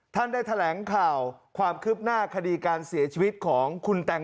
ท่านได้แถลงข่าวความคืบหน้าคดีการเสียชีวิตของคุณแตงโม